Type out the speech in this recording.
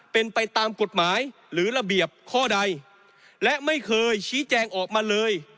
เป็นไปตามกฎหมายหรือระเบียบข้อใดและไม่เคยชี้แจงออกมาเลย